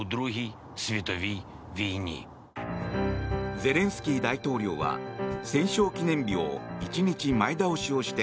ゼレンスキー大統領は戦勝記念日を１日前倒しをして